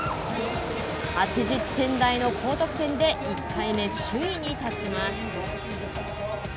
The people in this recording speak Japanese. ８０点台の高得点で１回目、首位に立ちます。